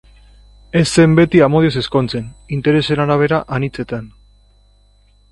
Ez zen beti amodioz ezkontzen, interesen arabera anitzetan!